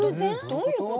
どういうこと？